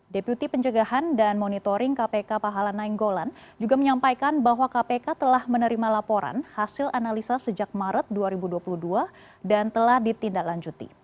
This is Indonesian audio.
deputi pencegahan dan monitoring kpk pahala nainggolan juga menyampaikan bahwa kpk telah menerima laporan hasil analisa sejak maret dua ribu dua puluh dua dan telah ditindaklanjuti